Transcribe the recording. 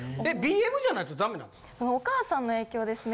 ＢＭじゃないとダメなんですか？